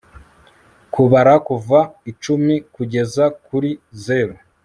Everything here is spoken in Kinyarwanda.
kubara kuva icumi kugeza kuri zeru